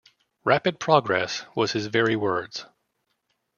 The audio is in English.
‘Rapid progress’ was his very words.